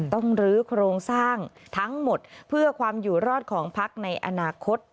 ลื้อโครงสร้างทั้งหมดเพื่อความอยู่รอดของพักในอนาคต